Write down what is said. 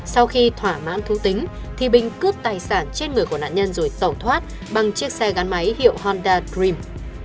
sau khi thỏa mãn thú tính thì bình cướp tài sản trên người của nạn nhân rồi tẩu thoát bằng chiếc xe gắn máy hiệu honda dream